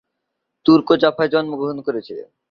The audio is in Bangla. তুর্ক জাফায় জন্মগ্রহণ করেছিলেন।